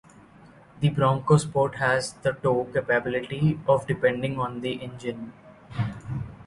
The Bronco Sport has the tow capability of depending on the engine.